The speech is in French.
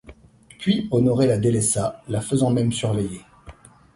Puis Honoré la délaissa, la faisant même surveiller.